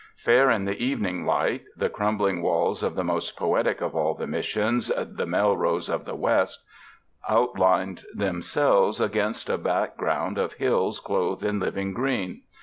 110 SPRING DAYS IN A CARRIAGE Fair in the evening light, the crumbling walls of the most poetic of all the Missions, "the Melrose of the West," outlined themselves against a back ground of hills clothed in living green.